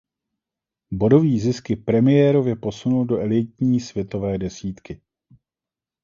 Bodový zisk ji premiérově posunul do elitní světové desítky.